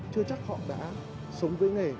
chưa chắc họ đã sống với nghề